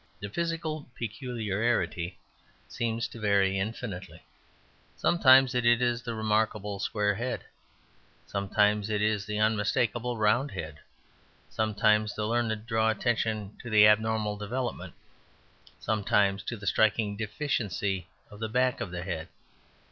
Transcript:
The physical peculiarity seems to vary infinitely; sometimes it is the remarkable square head, sometimes it is the unmistakable round head; sometimes the learned draw attention to the abnormal development, sometimes to the striking deficiency of the back of the head.